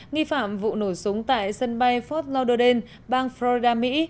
nghi phạm vụ nổ súng tại sân bay fort lododen bang florida mỹ